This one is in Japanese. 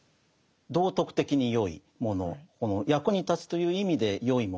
道徳的に善いもの役に立つという意味で善いもの